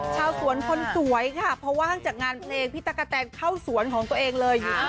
เข้าสวนคนสวยค่ะภว่าห้างจากงานเพลงพี่ตั๊กกะแทนเข้าสวนของตัวเองเลยจริงค่ะ